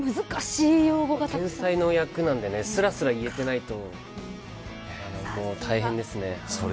天才の役なんですらすら言えてないと大変ですね。